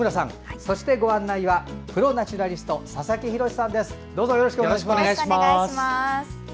そしてご案内はプロ・ナチュラリスト佐々木洋さんです。